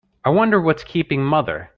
I wonder what's keeping mother?